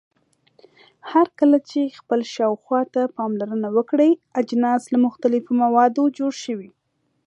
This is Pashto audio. هرکله چې خپل شاوخوا ته پاملرنه وکړئ اجناس له مختلفو موادو جوړ شوي.